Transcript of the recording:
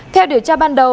theo điều tra ban đầu